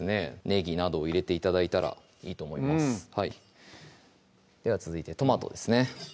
ねぎなどを入れて頂いたらいいと思いますでは続いてトマトですね